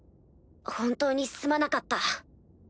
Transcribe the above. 本当にすまなかった。